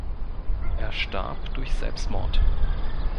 Er starb durch Selbstmord.